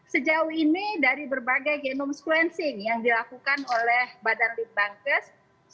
sejauh ini dari berbagai genomes cleansing yang dilakukan oleh badan limbang kes